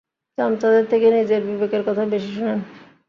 চামচাদের থেকে নিজের বিবেকের কথা বেশি শুনেন।